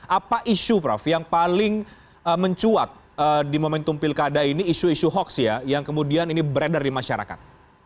apa isu prof yang paling mencuat di momentum pilkada ini isu isu hoax ya yang kemudian ini beredar di masyarakat